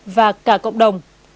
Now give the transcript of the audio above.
và cả cộng đồng